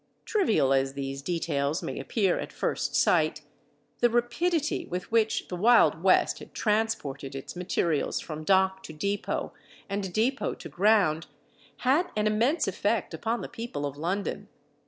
Trivial as these details may appear at first sight, the rapidity with which the Wild West had transported its materials from dock to depot, and depot to ground, had an immense effect upon the people of London.